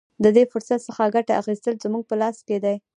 د دې فرصت څخه ګټه اخیستل زموږ په لاس کې دي.